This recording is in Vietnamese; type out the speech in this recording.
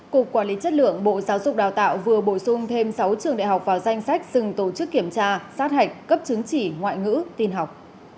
cục quản lý chất lượng bộ giáo dục đào tạo vừa bổ sung thêm sáu trường đại học vào danh sách dừng tổ chức kiểm tra sát hạch cấp chứng chỉ ngoại ngữ tin học